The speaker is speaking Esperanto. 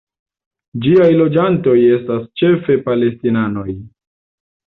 Ĝiaj loĝantoj estas ĉefe palestinanoj.